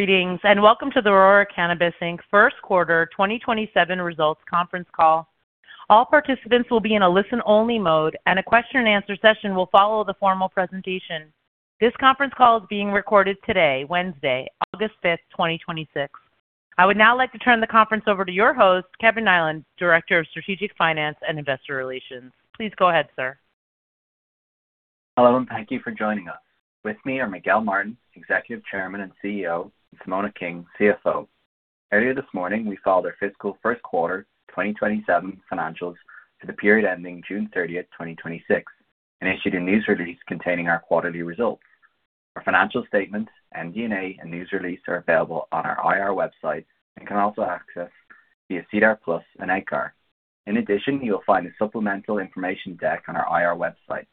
Greetings, welcome to the Aurora Cannabis Inc. first quarter 2027 results conference call. All participants will be in a listen-only mode, and a question-and-answer session will follow the formal presentation. This conference call is being recorded today, Wednesday, August 5th, 2026. I would now like to turn the conference over to your host, Kevin Niland, Director of Strategic Finance and Investor Relations. Please go ahead, sir. Hello, thank you for joining us. With me are Miguel Martin, Executive Chairman and CEO, and Simona King, CFO. Earlier this morning, we filed our fiscal first quarter 2027 financials for the period ending June 30th, 2026, and issued a news release containing our quarterly results. Our financial statement, MD&A, and news release are available on our IR website and can also be accessed via SEDAR+ and EDGAR. In addition, you will find a supplemental information deck on our IR website.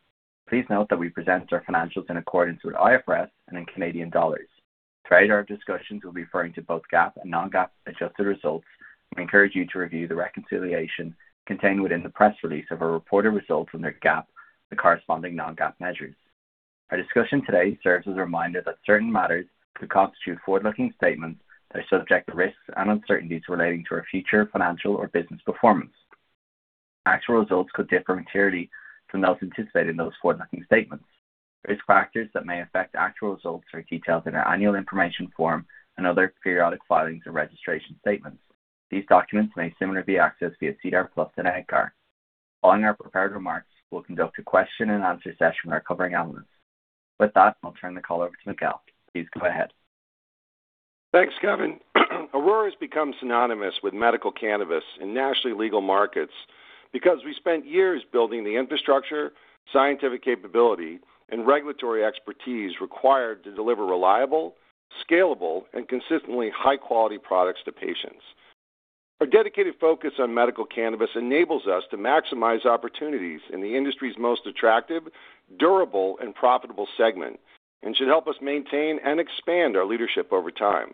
Please note that we present our financials in accordance with IFRS and in Canadian dollars. Throughout our discussions, we'll be referring to both GAAP and non-GAAP adjusted results. We encourage you to review the reconciliation contained within the press release of our reported results under GAAP and the corresponding non-GAAP measures. Our discussion today serves as a reminder that certain matters could constitute forward-looking statements that are subject to risks and uncertainties relating to our future financial or business performance. Actual results could differ materially from those anticipated in those forward-looking statements. Risk factors that may affect actual results are detailed in our annual information form and other periodic filings and registration statements. These documents may similarly be accessed via SEDAR+ and EDGAR. Following our prepared remarks, we'll conduct a question-and-answer session where covering analysts. With that, I'll turn the call over to Miguel. Please go ahead. Thanks, Kevin. Aurora has become synonymous with medical cannabis in nationally legal markets because we spent years building the infrastructure, scientific capability, and regulatory expertise required to deliver reliable, scalable, and consistently high-quality products to patients. Our dedicated focus on medical cannabis enables us to maximize opportunities in the industry's most attractive, durable, and profitable segment, and should help us maintain and expand our leadership over time.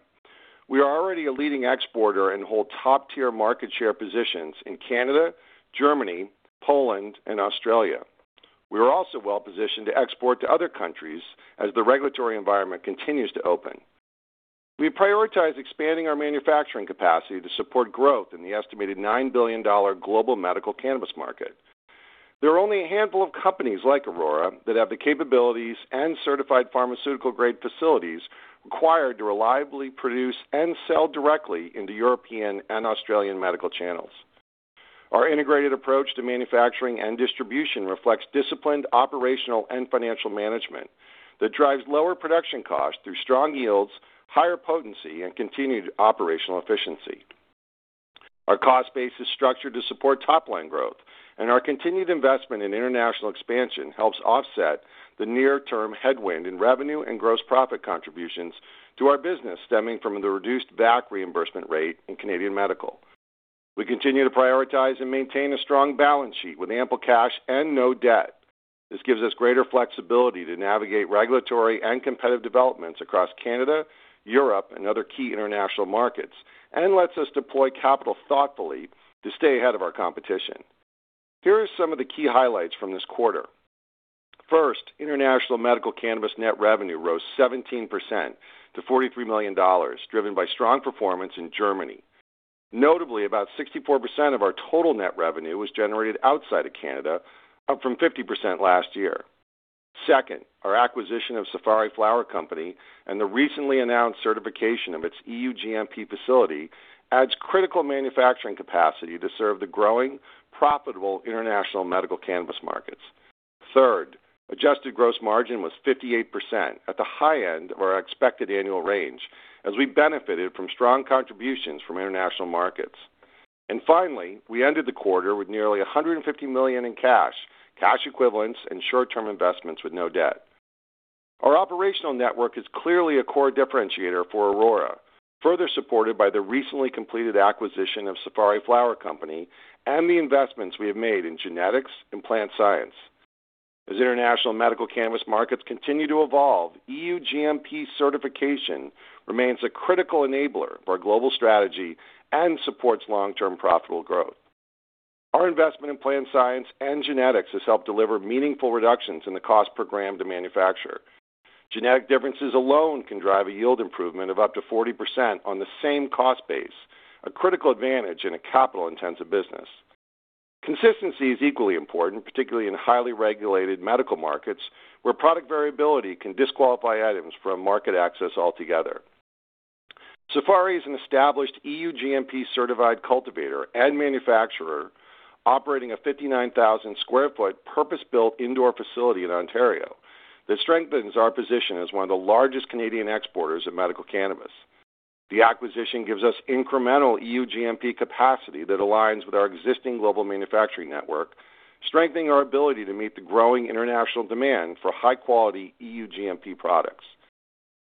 We are already a leading exporter and hold top-tier market share positions in Canada, Germany, Poland, and Australia. We are also well-positioned to export to other countries as the regulatory environment continues to open. We prioritize expanding our manufacturing capacity to support growth in the estimated 9 billion dollar global medical cannabis market. There are only a handful of companies like Aurora that have the capabilities and certified pharmaceutical-grade facilities required to reliably produce and sell directly into European and Australian medical channels. Our integrated approach to manufacturing and distribution reflects disciplined operational and financial management that drives lower production costs through strong yields, higher potency, and continued operational efficiency. Our cost base is structured to support top-line growth. Our continued investment in international expansion helps offset the near-term headwind in revenue and gross profit contributions to our business stemming from the reduced back reimbursement rate in Canadian medical. We continue to prioritize and maintain a strong balance sheet with ample cash and no debt. This gives us greater flexibility to navigate regulatory and competitive developments across Canada, Europe, and other key international markets. This lets us deploy capital thoughtfully to stay ahead of our competition. Here are some of the key highlights from this quarter. First, international medical cannabis net revenue rose 17% to 43 million dollars, driven by strong performance in Germany. Notably, about 64% of our total net revenue was generated outside of Canada, up from 50% last year. Second, our acquisition of Safari Flower Company and the recently announced certification of its EU-GMP facility adds critical manufacturing capacity to serve the growing, profitable international medical cannabis markets. Third, adjusted gross margin was 58% at the high end of our expected annual range as we benefited from strong contributions from international markets. Finally, we ended the quarter with nearly 150 million in cash equivalents, and short-term investments with no debt. Our operational network is clearly a core differentiator for Aurora, further supported by the recently completed acquisition of Safari Flower Company and the investments we have made in genetics and plant science. As international medical cannabis markets continue to evolve, EU-GMP certification remains a critical enabler of our global strategy and supports long-term profitable growth. Our investment in plant science and genetics has helped deliver meaningful reductions in the cost per gram to manufacture. Genetic differences alone can drive a yield improvement of up to 40% on the same cost base, a critical advantage in a capital-intensive business. Consistency is equally important, particularly in highly regulated medical markets, where product variability can disqualify items from market access altogether. Safari is an established EU-GMP-certified cultivator and manufacturer operating a 59,000 sq ft purpose-built indoor facility in Ontario that strengthens our position as one of the largest Canadian exporters of medical cannabis. The acquisition gives us incremental EU-GMP capacity that aligns with our existing global manufacturing network, strengthening our ability to meet the growing international demand for high-quality EU-GMP products.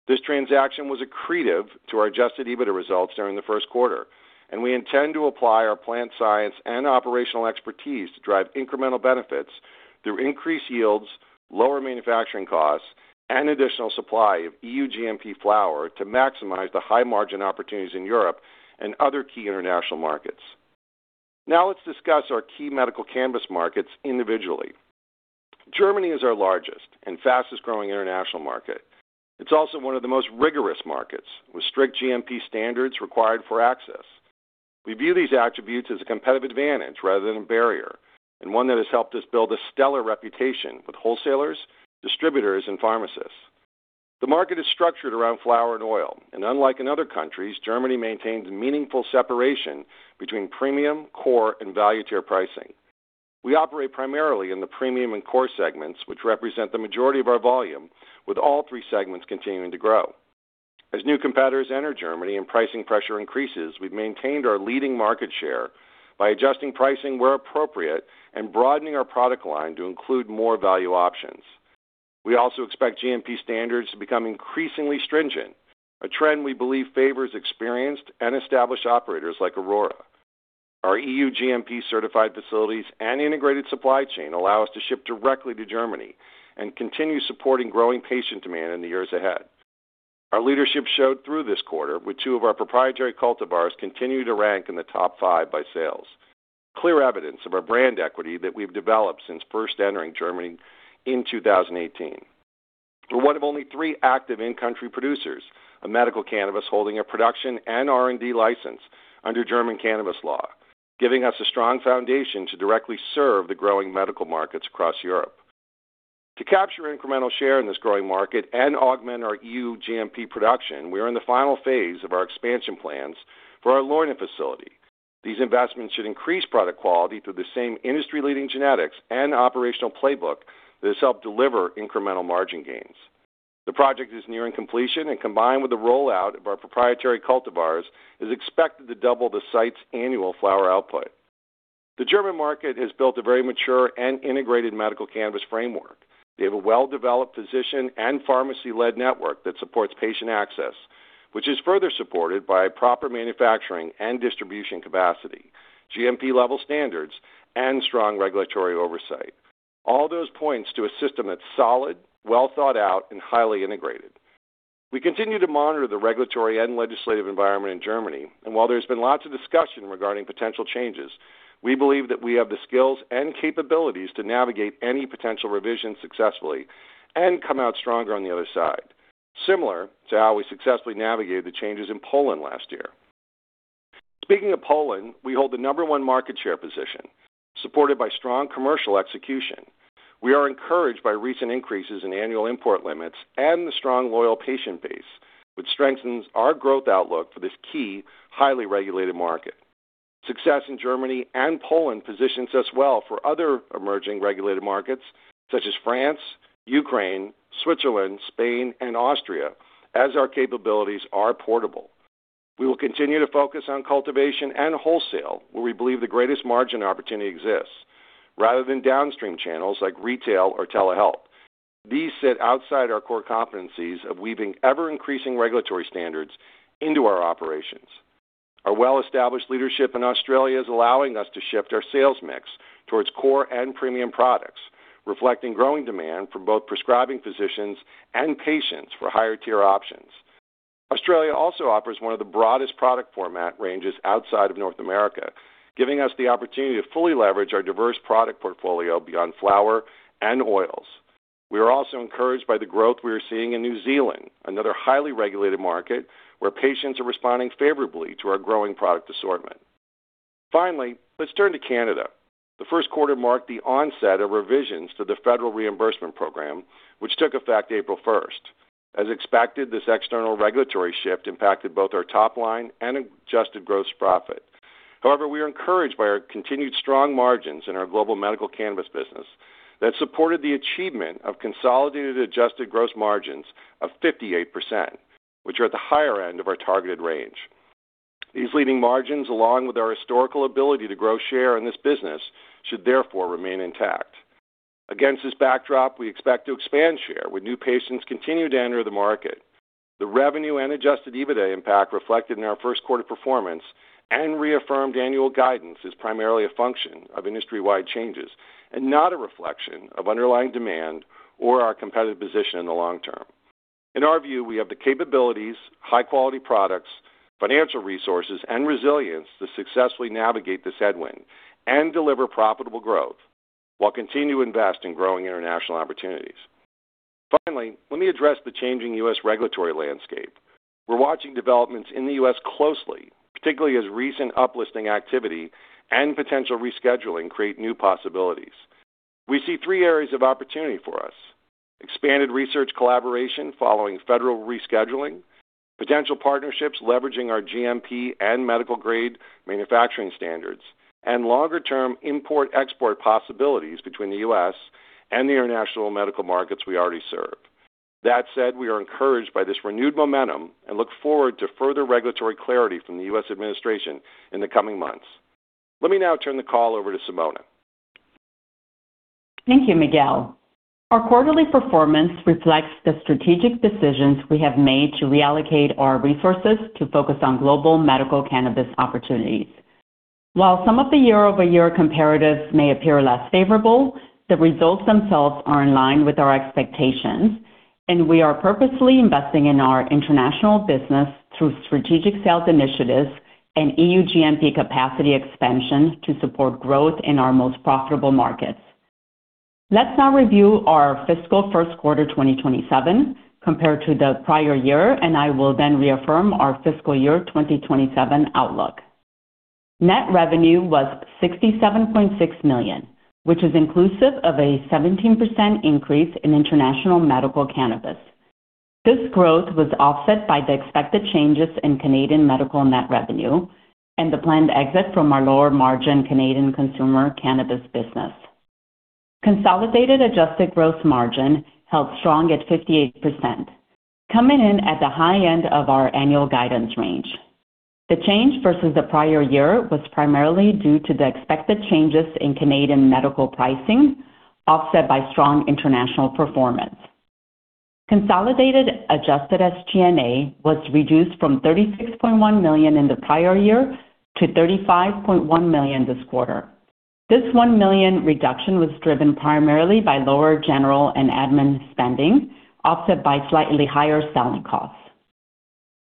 This transaction was accretive to our adjusted EBITDA results during the first quarter. We intend to apply our plant science and operational expertise to drive incremental benefits through increased yields, lower manufacturing costs, and additional supply of EU-GMP flower to maximize the high-margin opportunities in Europe and other key international markets. Now let's discuss our key medical cannabis markets individually. Germany is our largest and fastest-growing international market. It's also one of the most rigorous markets, with strict GMP standards required for access. We view these attributes as a competitive advantage rather than a barrier, and one that has helped us build a stellar reputation with wholesalers, distributors, and pharmacists. The market is structured around flower and oil. Unlike in other countries, Germany maintains a meaningful separation between premium, core, and value-tier pricing. We operate primarily in the premium and core segments, which represent the majority of our volume, with all three segments continuing to grow. As new competitors enter Germany and pricing pressure increases, we've maintained our leading market share by adjusting pricing where appropriate and broadening our product line to include more value options. We also expect GMP standards to become increasingly stringent, a trend we believe favors experienced and established operators like Aurora. Our EU-GMP certified facilities and integrated supply chain allow us to ship directly to Germany and continue supporting growing patient demand in the years ahead. Our leadership showed through this quarter, with two of our proprietary cultivars continuing to rank in the top five by sales, clear evidence of our brand equity that we've developed since first entering Germany in 2018. We're one of only three active in-country producers of medical cannabis holding a production and R&D license under German cannabis law, giving us a strong foundation to directly serve the growing medical markets across Europe. To capture incremental share in this growing market and augment our EU-GMP production, we are in the final phase of our expansion plans for our Leuna facility. These investments should increase product quality through the same industry-leading genetics and operational playbook that has helped deliver incremental margin gains. The project is nearing completion, and combined with the rollout of our proprietary cultivars, is expected to double the site's annual flower output. The German market has built a very mature and integrated medical cannabis framework. They have a well-developed physician and pharmacy-led network that supports patient access, which is further supported by proper manufacturing and distribution capacity, GMP level standards, and strong regulatory oversight. All those points to a system that's solid, well thought out, and highly integrated. We continue to monitor the regulatory and legislative environment in Germany, and while there's been lots of discussion regarding potential changes, we believe that we have the skills and capabilities to navigate any potential revisions successfully and come out stronger on the other side, similar to how we successfully navigated the changes in Poland last year. Speaking of Poland, we hold the number one market share position, supported by strong commercial execution. We are encouraged by recent increases in annual import limits and the strong, loyal patient base, which strengthens our growth outlook for this key, highly regulated market. Success in Germany and Poland positions us well for other emerging regulated markets such as France, Ukraine, Switzerland, Spain, and Austria, as our capabilities are portable. We will continue to focus on cultivation and wholesale, where we believe the greatest margin opportunity exists, rather than downstream channels like retail or telehealth. These sit outside our core competencies of weaving ever-increasing regulatory standards into our operations. Our well-established leadership in Australia is allowing us to shift our sales mix towards core and premium products, reflecting growing demand from both prescribing physicians and patients for higher-tier options. Australia also offers one of the broadest product format ranges outside of North America, giving us the opportunity to fully leverage our diverse product portfolio beyond flower and oils. We are also encouraged by the growth we are seeing in New Zealand, another highly regulated market where patients are responding favorably to our growing product assortment. Finally, let's turn to Canada. The first quarter marked the onset of revisions to the federal reimbursement program, which took effect April 1st. As expected, this external regulatory shift impacted both our top line and adjusted gross profit. However, we are encouraged by our continued strong margins in our global medical cannabis business that supported the achievement of consolidated adjusted gross margins of 58%, which are at the higher end of our targeted range. These leading margins, along with our historical ability to grow share in this business, should therefore remain intact. Against this backdrop, we expect to expand share where new patients continue to enter the market. The revenue and adjusted EBITDA impact reflected in our first quarter performance and reaffirmed annual guidance is primarily a function of industry-wide changes and not a reflection of underlying demand or our competitive position in the long term. In our view, we have the capabilities, high-quality products, financial resources, and resilience to successfully navigate this headwind and deliver profitable growth while continuing to invest in growing international opportunities. Let me address the changing U.S. regulatory landscape. We're watching developments in the U.S. closely, particularly as recent uplisting activity and potential rescheduling create new possibilities. We see three areas of opportunity for us: expanded research collaboration following federal rescheduling, potential partnerships leveraging our GMP and medical-grade manufacturing standards, and longer-term import/export possibilities between the U.S. and the international medical markets we already serve. We are encouraged by this renewed momentum and look forward to further regulatory clarity from the U.S. administration in the coming months. Let me now turn the call over to Simona. Thank you, Miguel. Our quarterly performance reflects the strategic decisions we have made to reallocate our resources to focus on global medical cannabis opportunities. While some of the year-over-year comparatives may appear less favorable, the results themselves are in line with our expectations. We are purposefully investing in our international business through strategic sales initiatives and EU-GMP capacity expansion to support growth in our most profitable markets. Let's now review our fiscal first quarter 2027 compared to the prior year, and I will then reaffirm our fiscal year 2027 outlook. Net revenue was 67.6 million, which is inclusive of a 17% increase in international medical cannabis. This growth was offset by the expected changes in Canadian medical net revenue and the planned exit from our lower-margin Canadian consumer cannabis business. Consolidated adjusted gross margin held strong at 58%, coming in at the high end of our annual guidance range. The change versus the prior year was primarily due to the expected changes in Canadian medical pricing, offset by strong international performance. Consolidated adjusted SG&A was reduced from 36.1 million in the prior year to 35.1 million this quarter. This 1 million reduction was driven primarily by lower general and admin spending, offset by slightly higher selling costs.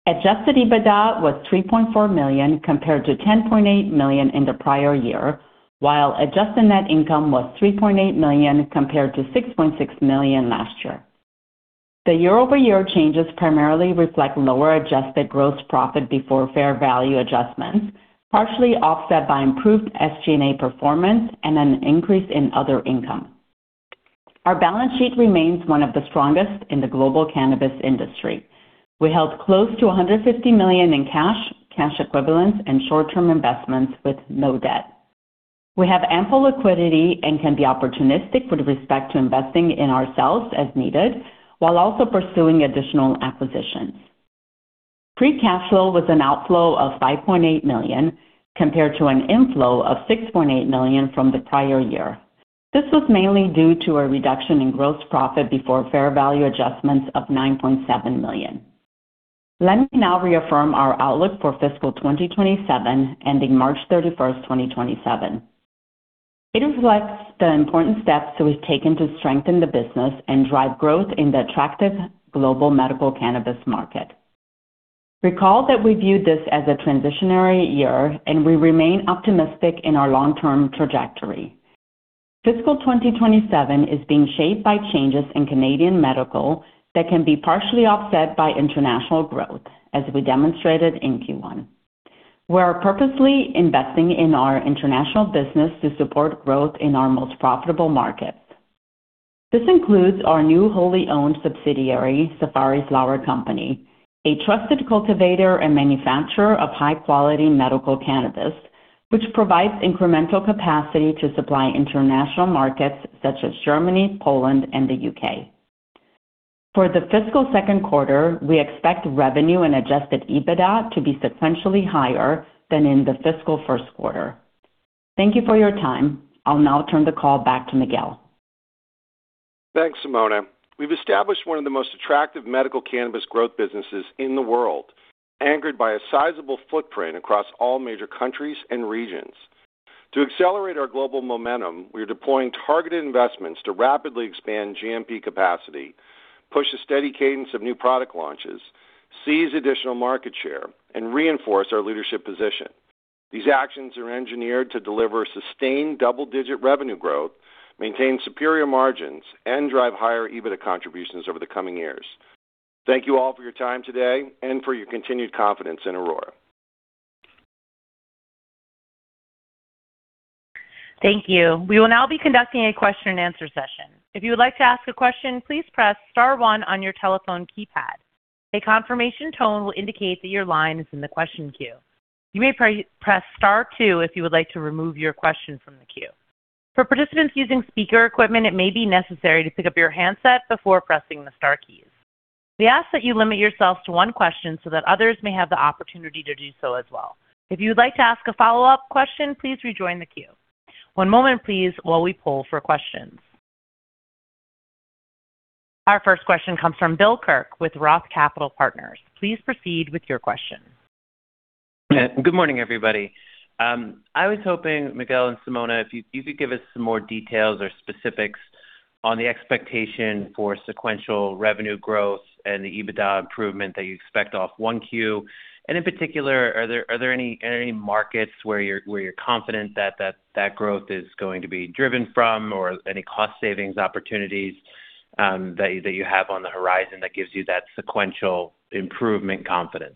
Adjusted EBITDA was 3.4 million, compared to 10.8 million in the prior year, while adjusted net income was 3.8 million, compared to 6.6 million last year. The year-over-year changes primarily reflect lower adjusted gross profit before fair value adjustments, partially offset by improved SG&A performance and an increase in other income. Our balance sheet remains one of the strongest in the global cannabis industry. We held close to 150 million in cash equivalents, and short-term investments with no debt. We have ample liquidity and can be opportunistic with respect to investing in ourselves as needed, while also pursuing additional acquisitions. Free cash flow was an outflow of 5.8 million, compared to an inflow of 6.8 million from the prior year. This was mainly due to a reduction in gross profit before fair value adjustments of 9.7 million. Let me now reaffirm our outlook for fiscal 2027, ending March 31st, 2027. It reflects the important steps that we've taken to strengthen the business and drive growth in the attractive global medical cannabis market. Recall that we viewed this as a transitionary year, we remain optimistic in our long-term trajectory. Fiscal 2027 is being shaped by changes in Canadian medical that can be partially offset by international growth, as we demonstrated in Q1. We are purposefully investing in our international business to support growth in our most profitable markets. This includes our new wholly-owned subsidiary, Safari Flower Company, a trusted cultivator and manufacturer of high-quality medical cannabis, which provides incremental capacity to supply international markets such as Germany, Poland, and the U.K. For the fiscal second quarter, we expect revenue and adjusted EBITDA to be sequentially higher than in the fiscal first quarter. Thank you for your time. I'll now turn the call back to Miguel. Thanks, Simona. We've established one of the most attractive medical cannabis growth businesses in the world, anchored by a sizable footprint across all major countries and regions. To accelerate our global momentum, we are deploying targeted investments to rapidly expand GMP capacity, push a steady cadence of new product launches, seize additional market share, and reinforce our leadership position. These actions are engineered to deliver sustained double-digit revenue growth, maintain superior margins, and drive higher EBITDA contributions over the coming years. Thank you all for your time today and for your continued confidence in Aurora. Thank you. We will now be conducting a question and answer session. If you would like to ask a question, please press star one on your telephone keypad. A confirmation tone will indicate that your line is in the question queue. You may press star two if you would like to remove your question from the queue. For participants using speaker equipment, it may be necessary to pick up your handset before pressing the star keys. We ask that you limit yourselves to one question so that others may have the opportunity to do so as well. If you would like to ask a follow-up question, please rejoin the queue. One moment, please, while we poll for questions. Our first question comes from Bill Kirk with Roth Capital Partners. Please proceed with your question. Good morning, everybody. I was hoping, Miguel and Simona, if you could give us some more details or specifics on the expectation for sequential revenue growth and the EBITDA improvement that you expect off 1Q. In particular, are there any markets where you're confident that growth is going to be driven from, or any cost savings opportunities that you have on the horizon that gives you that sequential improvement confidence?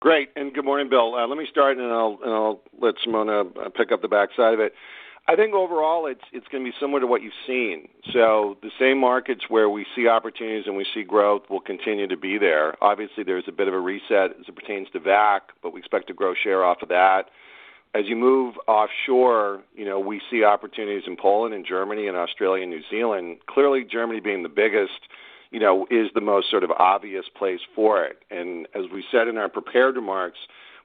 Great. Good morning, Bill. Let me start. I'll let Simona pick up the backside of it. I think overall, it's going to be similar to what you've seen. The same markets where we see opportunities and we see growth will continue to be there. Obviously, there's a bit of a reset as it pertains to VAC, but we expect to grow share off of that. As you move offshore, we see opportunities in Poland and Germany and Australia and New Zealand. Clearly, Germany being the biggest, is the most sort of obvious place for it. As we said in our prepared remarks,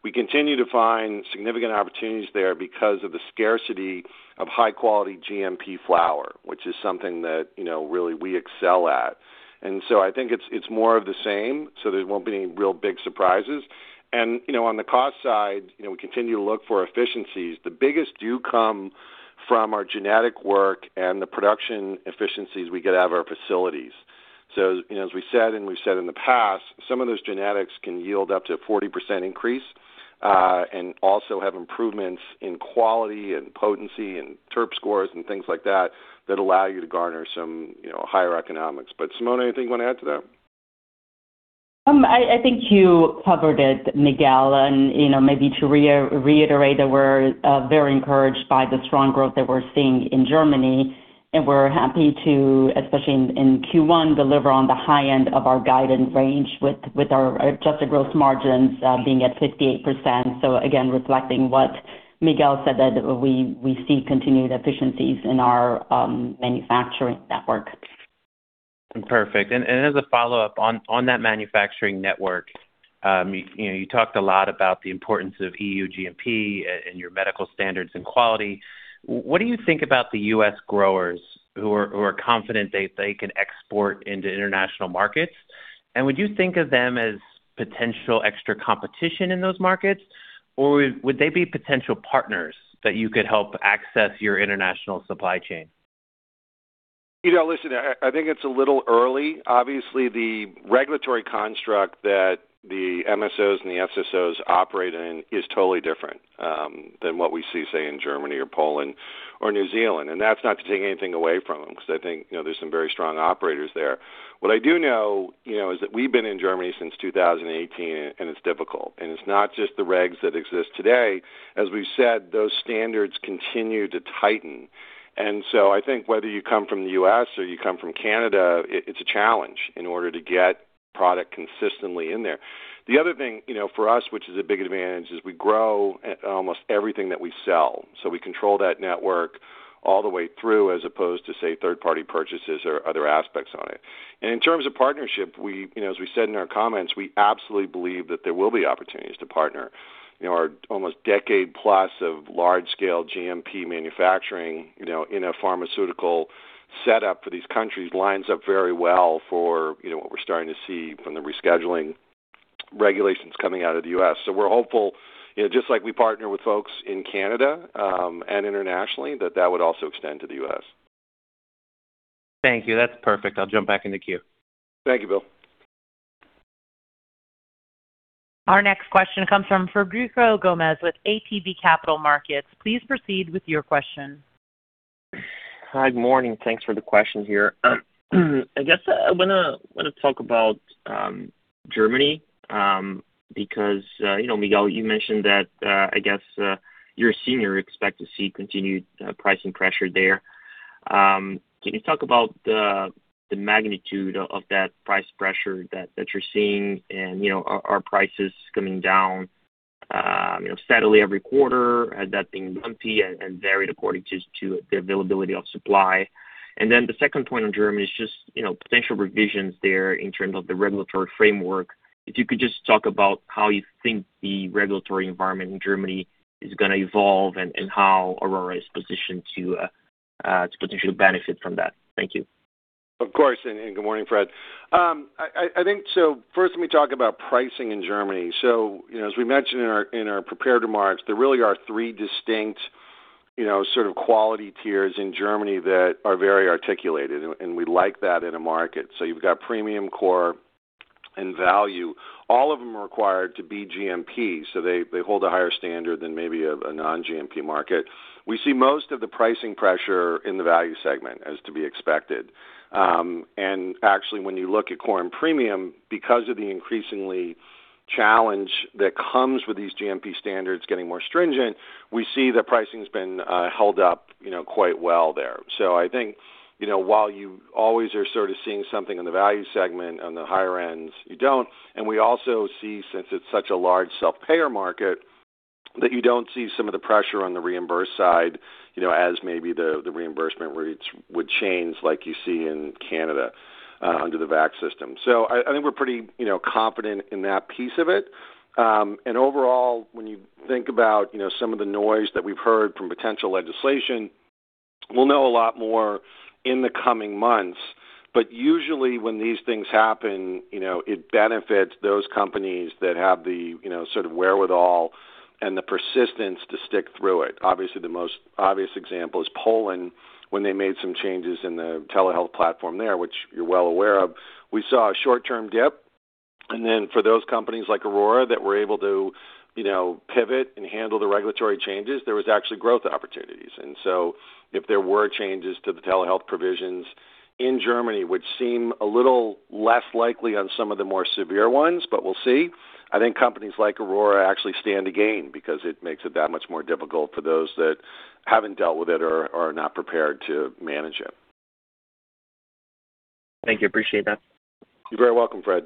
we continue to find significant opportunities there because of the scarcity of high-quality GMP flower, which is something that really we excel at. I think it's more of the same, there won't be any real big surprises. On the cost side, we continue to look for efficiencies. The biggest do come from our genetic work and the production efficiencies we get out of our facilities. As we said, and we've said in the past, some of those genetics can yield up to a 40% increase, also have improvements in quality and potency and terp scores and things like that allow you to garner some higher economics. Simona, anything you want to add to that? I think you covered it, Miguel. Maybe to reiterate that we're very encouraged by the strong growth that we're seeing in Germany, and we're happy to, especially in Q1, deliver on the high end of our guidance range with our adjusted gross margins being at 58%. Again, reflecting what Miguel said, that we see continued efficiencies in our manufacturing network. Perfect. As a follow-up on that manufacturing network, you talked a lot about the importance of EU-GMP and your medical standards and quality. What do you think about the U.S. growers who are confident they can export into international markets? Would you think of them as potential extra competition in those markets, or would they be potential partners that you could help access your international supply chain? Listen, I think it's a little early. Obviously, the regulatory construct that the MSOs and the FSO operate in is totally different than what we see, say, in Germany or Poland or New Zealand. That's not to take anything away from them, because I think there's some very strong operators there. What I do know is that we've been in Germany since 2018, and it's difficult. It's not just the regs that exist today. As we've said, those standards continue to tighten. I think whether you come from the U.S. or you come from Canada, it's a challenge in order to get product consistently in there. The other thing for us, which is a big advantage, is we grow almost everything that we sell. We control that network all the way through as opposed to, say, third-party purchases or other aspects on it. In terms of partnership, as we said in our comments, we absolutely believe that there will be opportunities to partner. Our almost decade-plus of large-scale GMP manufacturing in a pharmaceutical setup for these countries lines up very well for what we're starting to see from the rescheduling regulations coming out of the U.S. We're hopeful, just like we partner with folks in Canada, and internationally, that that would also extend to the U.S. Thank you. That's perfect. I'll jump back in the queue. Thank you, Bill. Our next question comes from Frederico Gomes with ATB Capital Markets. Please proceed with your question. Hi, good morning. Thanks for the question here. I guess I want to talk about Germany. Miguel, you mentioned that, I guess, your senior expect to see continued pricing pressure there. Can you talk about the magnitude of that price pressure that you're seeing, and are prices coming down steadily every quarter? Has that been bumpy and varied according just to the availability of supply? The second point on Germany is just potential revisions there in terms of the regulatory framework. If you could just talk about how you think the regulatory environment in Germany is going to evolve and how Aurora is positioned to potentially benefit from that. Thank you. Of course, good morning, Fred. I think, first let me talk about pricing in Germany. As we mentioned in our prepared remarks, there really are three distinct sort of quality tiers in Germany that are very articulated, and we like that in a market. You've got premium, core, and value. All of them are required to be GMP, so they hold a higher standard than maybe a non-GMP market. We see most of the pricing pressure in the value segment, as to be expected. Actually, when you look at core and premium, because of the increasingly challenge that comes with these GMP standards getting more stringent, we see that pricing's been held up quite well there. I think, while you always are sort of seeing something in the value segment, on the higher ends, you don't. We also see, since it's such a large self-payer market, that you don't see some of the pressure on the reimbursed side, as maybe the reimbursement rates would change like you see in Canada under the VAC system. I think we're pretty confident in that piece of it. Overall, when you think about some of the noise that we've heard from potential legislation, we'll know a lot more in the coming months. Usually, when these things happen, it benefits those companies that have the sort of wherewithal and the persistence to stick through it. Obviously, the most obvious example is Poland, when they made some changes in the telehealth platform there, which you're well aware of. We saw a short-term dip, and then for those companies like Aurora that were able to pivot and handle the regulatory changes, there was actually growth opportunities. If there were changes to the telehealth provisions in Germany, which seem a little less likely on some of the more severe ones, we'll see. I think companies like Aurora actually stand to gain because it makes it that much more difficult for those that haven't dealt with it or are not prepared to manage it. Thank you. Appreciate that. You're very welcome, Fred.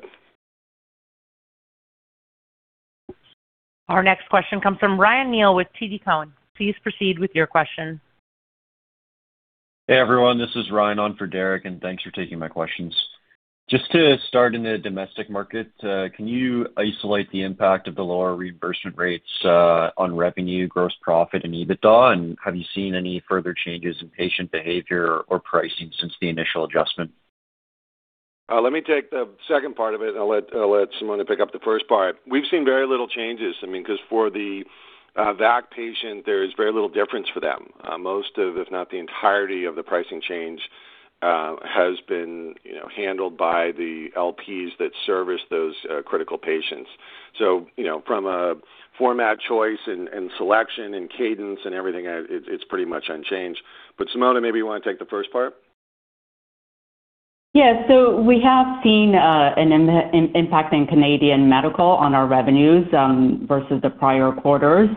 Our next question comes from Ryan Neal with TD Cowen. Please proceed with your question. Hey, everyone, this is Ryan on for Derek, thanks for taking my questions. Just to start in the domestic market, can you isolate the impact of the lower reimbursement rates on revenue, gross profit, and EBITDA? Have you seen any further changes in patient behavior or pricing since the initial adjustment? Let me take the second part of it, I'll let Simona pick up the first part. We've seen very little changes. For the VAC patient, there's very little difference for them. Most of, if not the entirety of the pricing change, has been handled by the LPs that service those critical patients. From a format choice and selection and cadence and everything, it's pretty much unchanged. Simona, maybe you want to take the first part? Yeah. We have seen an impact in Canadian medical on our revenues versus the prior quarters,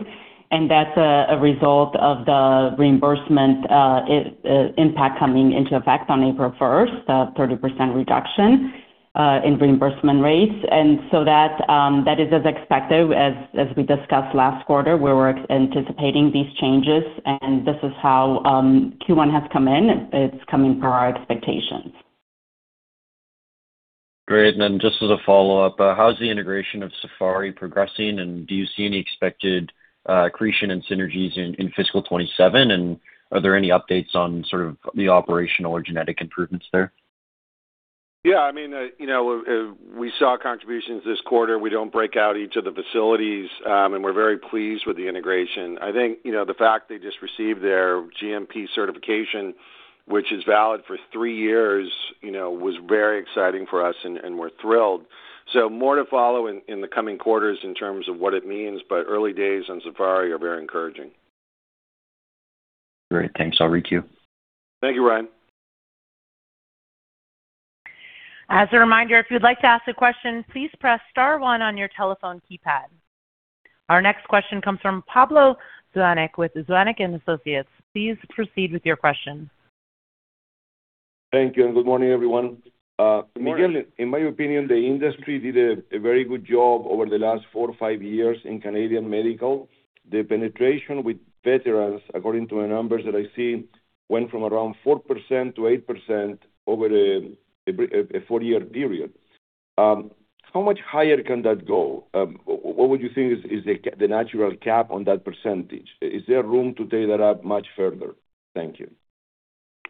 and that's a result of the reimbursement impact coming into effect on April 1st, a 30% reduction in reimbursement rates. That is as expected as we discussed last quarter, where we're anticipating these changes. This is how Q1 has come in. It's coming per our expectations. Great. Then just as a follow-up, how is the integration of Safari Flower Company progressing, and do you see any expected accretion and synergies in FY 2027? Are there any updates on sort of the operational or genetic improvements there? Yeah, we saw contributions this quarter. We don't break out each of the facilities. We're very pleased with the integration. I think, the fact they just received their GMP certification, which is valid for three years, was very exciting for us, and we're thrilled. More to follow in the coming quarters in terms of what it means, but early days on Safari Flower Company are very encouraging. Great. Thanks. I'll re-queue. Thank you, Ryan. As a reminder, if you'd like to ask a question, please press star one on your telephone keypad. Our next question comes from Pablo Zuanic with Zuanic & Associates. Please proceed with your question. Thank you. Good morning, everyone. Morning. Miguel, in my opinion, the industry did a very good job over the last four to five years in Canadian medical. The penetration with veterans, according to the numbers that I see, went from around 4% -8% over a four-year period. How much higher can that go? What would you think is the natural cap on that percentage? Is there room to take that up much further? Thank you.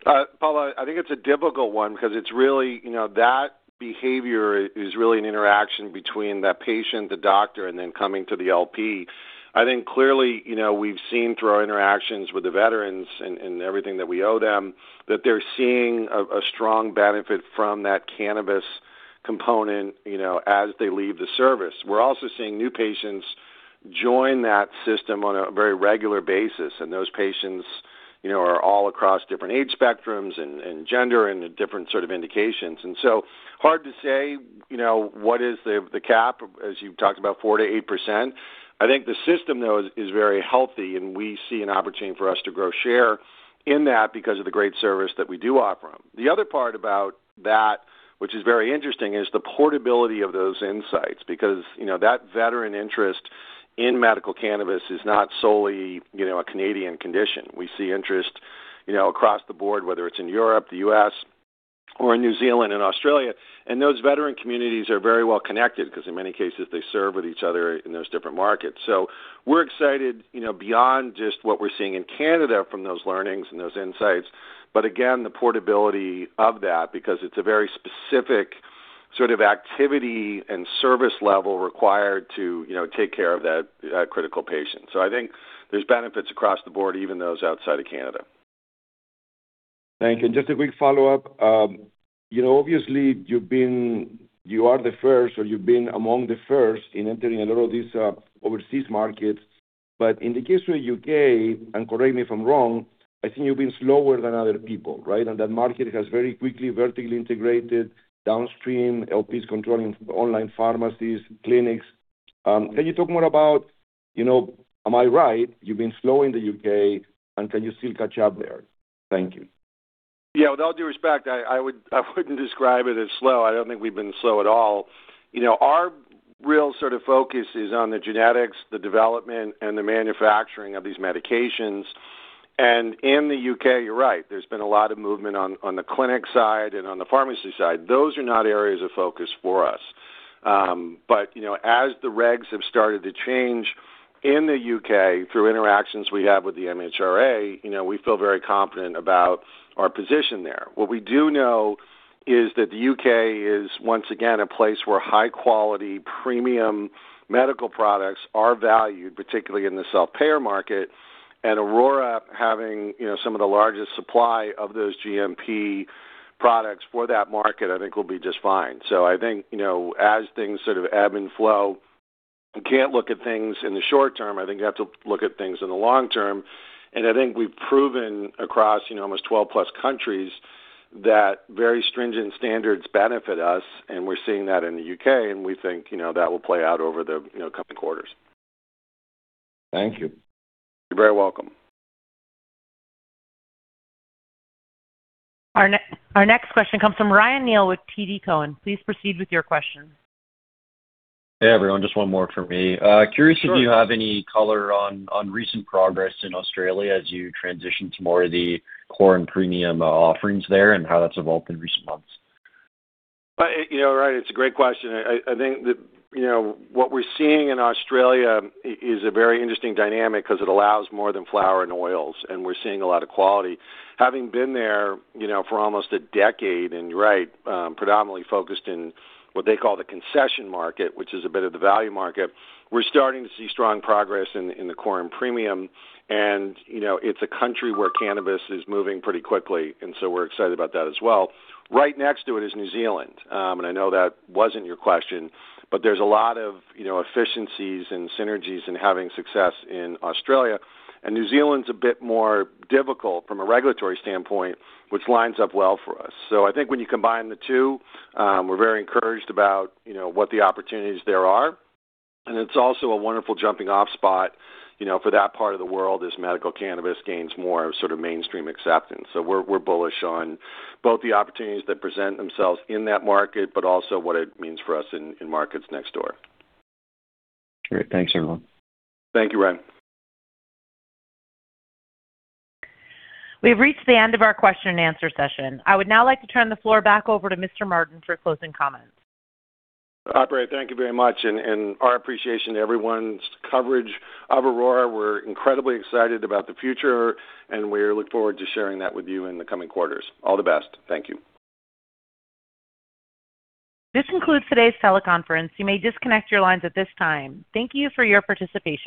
Pablo, I think it's a difficult one because that behavior is really an interaction between that patient, the doctor, and then coming to the LP. I think clearly, we've seen through our interactions with the veterans and everything that we owe them, that they're seeing a strong benefit from that cannabis component as they leave the service. We're also seeing new patients join that system on a very regular basis, and those patients are all across different age spectrums and gender and different sort of indications. Hard to say what is the cap, as you've talked about four to eight percent. I think the system, though, is very healthy, and we see an opportunity for us to grow share in that because of the great service that we do offer them. The other part about that, which is very interesting, is the portability of those insights, because that veteran interest in medical cannabis is not solely a Canadian condition. We see interest across the board, whether it's in Europe, the U.S., or New Zealand and Australia. Those veteran communities are very well-connected because in many cases, they serve with each other in those different markets. We're excited, beyond just what we're seeing in Canada from those learnings and those insights. Again, the portability of that, because it's a very specific sort of activity and service level required to take care of that critical patient. I think there's benefits across the board, even those outside of Canada. Thank you. Just a quick follow-up. Obviously, you are the first, or you've been among the first in entering a lot of these overseas markets. In the case of U.K., and correct me if I'm wrong, I think you've been slower than other people, right? That market has very quickly vertically integrated downstream, LPs controlling online pharmacies, clinics. Can you talk more about, am I right? You've been slow in the U.K., and can you still catch up there? Thank you. With all due respect, I wouldn't describe it as slow. I don't think we've been slow at all. Our real sort of focus is on the genetics, the development, and the manufacturing of these medications. In the U.K., you're right, there's been a lot of movement on the clinic side and on the pharmacy side. Those are not areas of focus for us. As the regs have started to change in the U.K. through interactions we have with the MHRA, we feel very confident about our position there. What we do know is that the U.K. is, once again, a place where high-quality, premium medical products are valued, particularly in the self-payer market, and Aurora having some of the largest supply of those GMP products for that market, I think will be just fine. I think, as things sort of ebb and flow, you can't look at things in the short term. I think you have to look at things in the long term. I think we've proven across almost 12+ countries that very stringent standards benefit us, and we're seeing that in the U.K., and we think that will play out over the coming quarters. Thank you. You're very welcome. Our next question comes from Ryan Neal with TD Cowen. Please proceed with your question. Hey, everyone. Just one more from me. Sure. Curious if you have any color on recent progress in Australia as you transition to more of the core and premium offerings there and how that's evolved in recent months. Right. It's a great question. I think that what we're seeing in Australia is a very interesting dynamic because it allows more than flower and oils, and we're seeing a lot of quality. Having been there for almost a decade, and you're right, predominantly focused in what they call the concession market, which is a bit of the value market. We're starting to see strong progress in the core and premium, and it's a country where cannabis is moving pretty quickly, and so we're excited about that as well. Right next to it is New Zealand, and I know that wasn't your question, but there's a lot of efficiencies and synergies in having success in Australia, and New Zealand's a bit more difficult from a regulatory standpoint, which lines up well for us. I think when you combine the two, we're very encouraged about what the opportunities there are. It's also a wonderful jumping-off spot for that part of the world as medical cannabis gains more sort of mainstream acceptance. We're bullish on both the opportunities that present themselves in that market, but also what it means for us in markets next door. Great. Thanks, everyone. Thank you, Ryan. We've reached the end of our question and answer session. I would now like to turn the floor back over to Mr. Martin for closing comments. Operator, thank you very much, and our appreciation to everyone's coverage of Aurora. We're incredibly excited about the future, and we look forward to sharing that with you in the coming quarters. All the best. Thank you. This concludes today's teleconference. You may disconnect your lines at this time. Thank you for your participation.